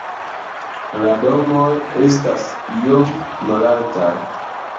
La domoj estas iom malaltaj.